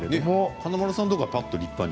華丸さんのはぱっと立派に。